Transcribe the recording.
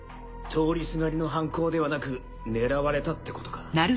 通りすがりの犯行ではなく狙われたってことか。